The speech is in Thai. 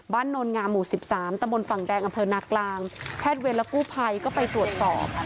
บ้านนงหมู่๑๓ตฝดอนนกลางแพทย์เวียนและกู้ภัยก็ไปตรวจสอบ